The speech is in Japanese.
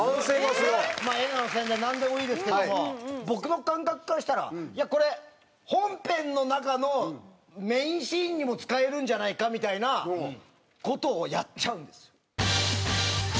まあ映画の宣伝なんでもいいですけども僕の感覚からしたらいやこれ本編の中のメインシーンにも使えるんじゃないかみたいな事をやっちゃうんです。